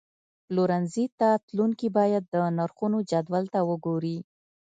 پلورنځي ته تلونکي باید د نرخونو جدول ته وګوري.